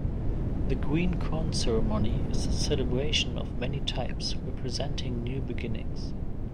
The Green Corn Ceremony is a celebration of many types, representing new beginnings.